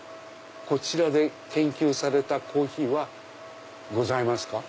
こちらで研究されたコーヒーはございますか？